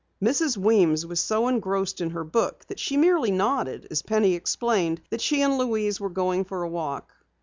Mrs. Weems was so engrossed in her book that she merely nodded as Penny explained that she and Louise were going for a walk.